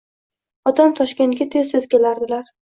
Otam Toshkentga tez-tez kelardilar